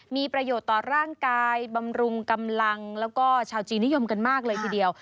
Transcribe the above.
มีประโยชน์ต่อร่างกายบำรุงกำลังแล้วก็ชาวจีนนิยมกันมากเลยทีเดียว